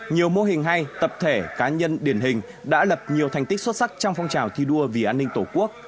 nhiều mô hình hay tập thể cá nhân điển hình đã lập nhiều thành tích xuất sắc trong phong trào thi đua vì an ninh tổ quốc